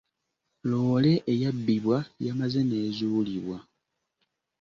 Loole eyabbibwa yamaze n'ezuulibwa.